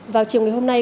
vào chiều ngày hôm nay